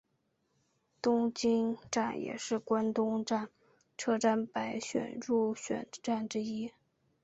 东京站也是关东车站百选入选站之一。